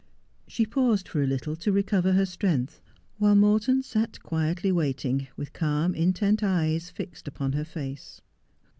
She paused for a little to recover her strength, while Morton sat quietly waiting, with calm, intent eyes fixed upon her face.